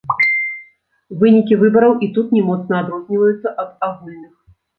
Вынікі выбараў і тут не моцна адрозніваюцца ад агульных.